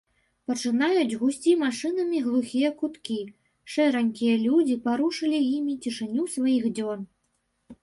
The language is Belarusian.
Пачынаюць гусці машынамі глухія куткі, шэранькія людзі парушылі імі цішыню сваіх дзён.